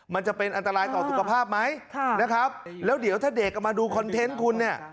มันจะเป็นอันตรายต่อสุขภาพไหมนะครับแล้วเดี๋ยวถ้าเด็กมาดูคอนเทนต์คุณเนี่ย